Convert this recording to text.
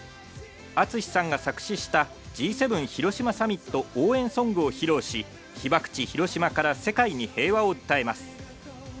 ＡＴＳＵＳＨＩさんが作詞したＧ７広島サミット応援ソングを披露し、被爆地、広島から世界に平和を訴えます。